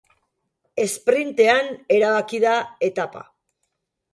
Esprintean erabaki da etapa.